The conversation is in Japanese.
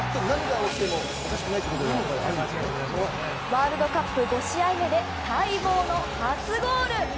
ワールドカップ５試合目で待望の初ゴール！